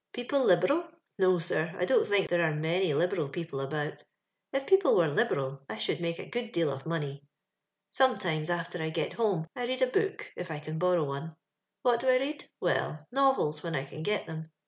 People liberal? No, su:, I dont think there are many hberal people about; it4)eo]de were hberal I should make a good deal of money. " Sometimes, after I get home, I read a book, if I can borrow one. What do I read? Well, novels, when I can get them.